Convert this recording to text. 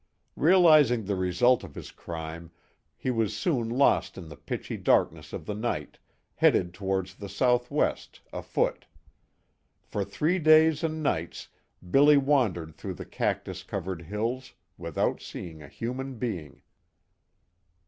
Realizing the result of his crime, he was soon lost in the pitchy darkness of the night, headed towards the southwest, afoot. For three days and nights Billy wandered through the cactus covered hills, without seeing a human being.